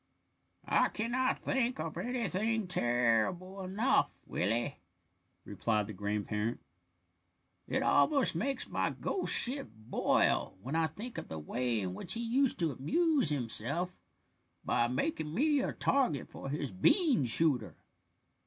"I cannot think of anything terrible enough, Willie," replied the grandparent. "It almost makes my ghost ship boil when I think of the way in which he used to amuse himself by making me a target for his bean shooter.